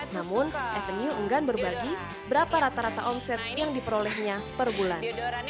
namun avenue enggan berbagi berapa rata rata omset yang diperolehnya per bulan